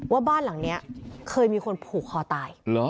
ว่าบ้านหลังนี้เคยมีคนผูกคอตาย